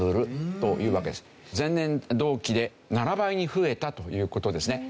前年同期で７倍に増えたという事ですね。